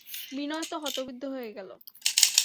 বিনয় তো হতবুদ্ধি হইয়া গেল।